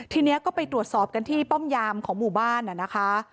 ทีนี้ก็ไปตรวจสอบกันที่ป้อมยามของหมู่บ้านนะคะ